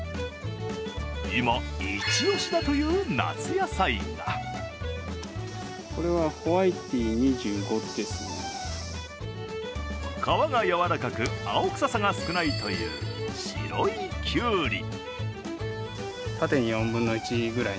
今、イチオシだという夏野菜が皮が軟らかく、青臭さが少ないという白いきゅうり。